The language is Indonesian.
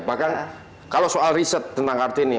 bahkan kalau soal riset tentang kartini